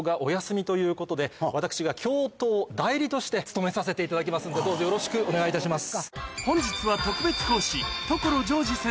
として務めさせていただきますんでどうぞよろしくお願いいたします。